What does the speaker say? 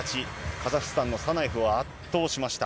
カザフスタンのサナエフを圧倒しました。